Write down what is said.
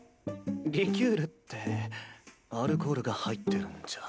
リキュールってアルコールが入ってるんじゃ。